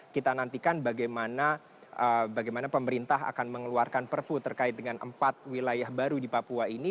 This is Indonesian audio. kita nantikan bagaimana pemerintah akan mengeluarkan perpu terkait dengan empat wilayah baru di papua ini